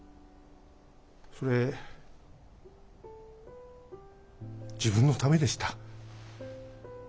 それ自分のためでした。